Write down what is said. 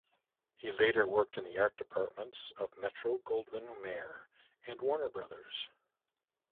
He later worked in the art departments of Metro Goldwyn Mayer and Warner Brothers.